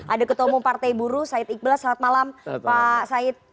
ada ketemu partai buruh said iqbal selamat malam pak said